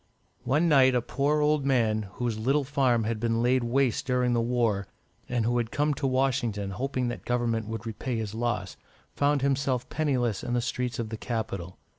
One night, a poor old man, whose little farm had been laid waste during the war, and who had come to Washington, hoping that Government would repay his loss, found himself penniless in the streets of the capital.